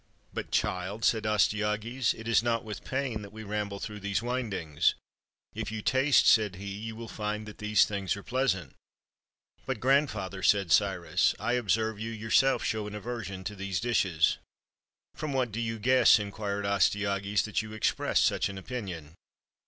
" But, child," said Astyages, " it is not with pain that we ramble through these windings; if you taste," said he, "you will find that these things are pleasant." " But, grandfather," said Cyrus, " I observe you your self show an aversion to these dishes." 295 PERSIA "From what do you guess," inquired Astyages, " that you express such an opinion?"